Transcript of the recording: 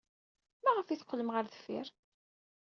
Maɣef ay teqqlem ɣer deffir?